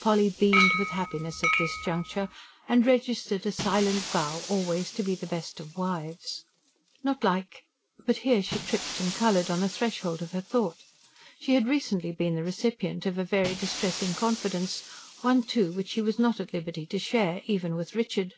Polly beamed with happiness at this juncture, and registered a silent vow always to be the best of wives. Not like but here she tripped and coloured, on the threshold of her thought. She had recently been the recipient of a very distressing confidence; one, too, which she was not at liberty to share, even with Richard.